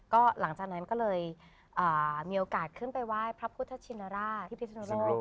ก็หลังจากนั้นก็เลยมีโอกาสขึ้นไปไหว้พระพุทธชินราช